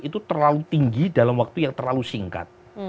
itu terlalu tinggi dalam waktu yang terlalu singkat